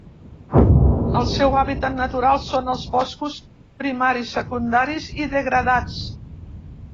El seu hàbitat natural són els boscos primaris, secundaris i degradats.